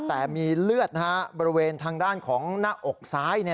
แต่มีเลือดบริเวณทางด้านของหน้าอกซ้าย